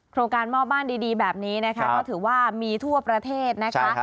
โครงการมอบบ้านดีแบบนี้ถือว่ามีทั่วประเทศ